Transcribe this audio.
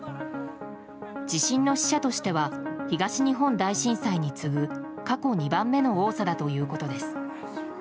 地震の死者としては東日本大震災に次ぐ過去２番目の多さだということです。